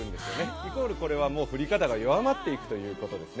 イコール、これは降り方が弱まっていくということですね。